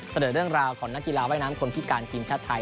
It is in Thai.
เสนอเรื่องราวของนักกีฬาว่ายน้ำคนพิการทีมชาติไทย